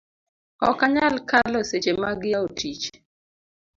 ok anyal kalo seche mag yawo tich